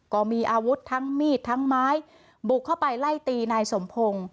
ก็มีอาวุธทั้งมีดทั้งไม้บุกเข้าไปไล่ตีนายสมพงศ์